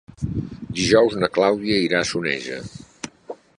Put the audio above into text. Dijous na Clàudia irà a Soneja.